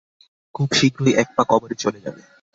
খুব শীঘ্রই এক পা কবরে চলে যাবে।